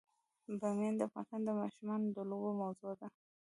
بامیان د افغان ماشومانو د لوبو موضوع ده.